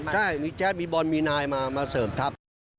ใช่มีแจ๊ดมีบอลมีนายมาเสริมทัพ